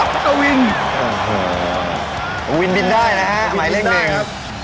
อาวุธวินต้องบินได้นะฮะหมายเรื่องแรงปะ